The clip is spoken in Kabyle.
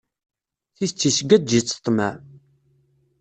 Tidet isgaǧ-itt ṭṭmaɛ.